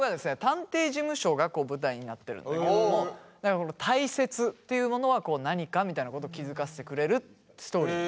探偵事務所が舞台になってるんだけどもたいせつっていうのものは何かみたいなことを気付かせてくれるストーリー。